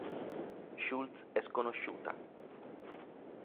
Schultz è sconosciuta.